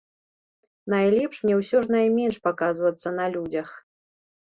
Найлепш мне ўсё ж найменш паказвацца на людзях.